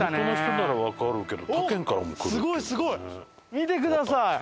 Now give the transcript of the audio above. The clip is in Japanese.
見てください！